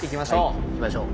行きましょう。